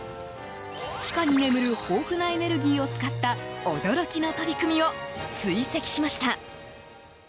地下に眠る豊富なエネルギーを使った驚きの取り組みを追跡しました。